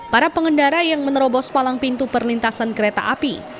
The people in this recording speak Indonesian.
para pengendara yang menerobos palang pintu perlintasan kereta api